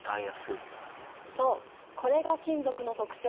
そうこれが金属の特徴